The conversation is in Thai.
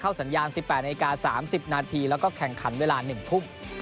สัญญาณ๑๘นาที๓๐นาทีแล้วก็แข่งขันเวลา๑ทุ่ม